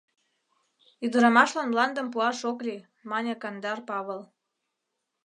— Ӱдырамашлан мландым пуаш ок лий, — мане Кандар Павыл.